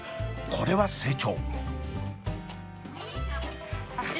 これは成長！